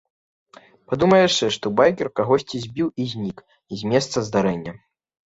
Падумаў яшчэ, што байкер кагосьці збіў і знік з месца здарэння.